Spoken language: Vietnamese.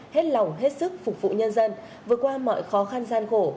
hết lòng hết sức phục vụ nhân dân vượt qua mọi khó khăn gian khổ